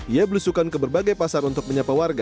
ia belusukan ke berbagai pasar untuk menyapa warga